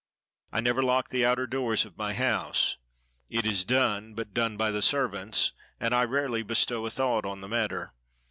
I never lock the outer doors of my house. It is done, but done by the servants; and I rarely bestow a thought on the matter.